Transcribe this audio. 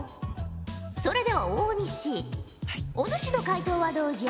それでは大西お主の解答はどうじゃ？